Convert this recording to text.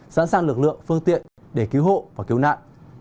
sẵn sàng lực lượng phương tiện để cứu hộ và cứu nạn